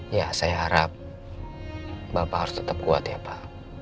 ya saya harap bapak harus tetap kuat ya pak